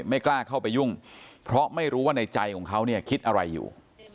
ไม่กล้าเข้าไปยุ่งเพราะไม่รู้ว่าในใจของเขาเนี่ยคิดอะไรอยู่